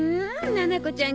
ななこちゃん